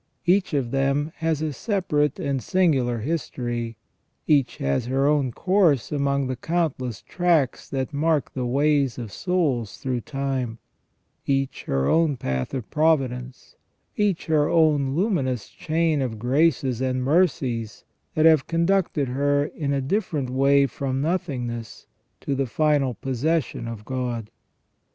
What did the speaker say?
Each of them has a separate and singular history ; each has her own course among the countless tracks that mark the ways of souls through time ; each her own path of providence ; each her own luminous chain of graces and mercies that have conducted her in a different way from nothingness to the final possession of God.